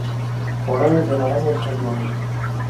اوړه د غنمو څخه جوړیږي